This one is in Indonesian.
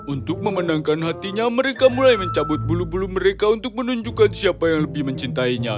untuk memenangkan hatinya mereka mulai mencabut bulu bulu mereka untuk menunjukkan siapa yang lebih mencintainya